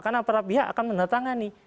karena para pihak akan menertangani